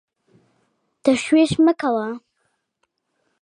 تشویش مه کوه !